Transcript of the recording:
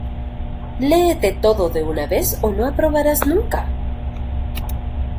¡Léete todo de una vez o no aprobarás nunca!